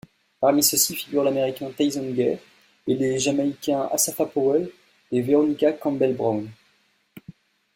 Parmi ceux-ci, figurent l'Américain Tyson Gay, et les Jamaïcains Asafa Powell et Veronica Campbell-Brown.